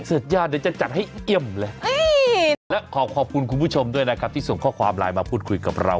เสร็จญาติเดี๋ยวจะจัดให้เอี่ยมเลยและขอขอบคุณคุณผู้ชมด้วยนะครับที่ส่งข้อความไลน์มาพูดคุยกับเรา